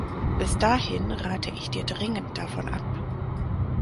Bis dahin rate ich dir dringend davon ab.